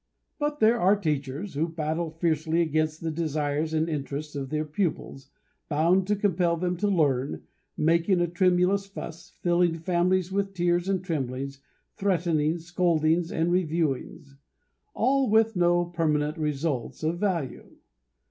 But there are teachers who battle fiercely against the desires and interests of their pupils, bound to compel them to learn, making a tremendous fuss, filling families with tears and tremblings, threatenings, scoldings, and reviewings all with no permanent results of value.